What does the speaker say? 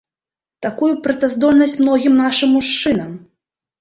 Такую б працаздольнасць многім нашым мужчынам!